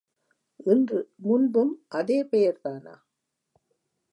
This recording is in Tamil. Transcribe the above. இன்று, முன்பும் அதே பெயர்தானா?